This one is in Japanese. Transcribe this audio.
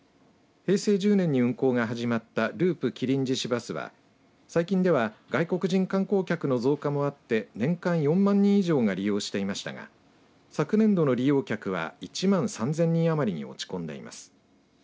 平成１０年に運行が始まったループ麒麟獅子バスは最近では外国人観光客の増加もあって年間４万人以上が利用していましたが昨年度の利用客は１万３０００人余りに落ち込んでいます。